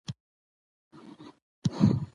د حج د مراسمو پیسې په بانک کې جمع کیږي.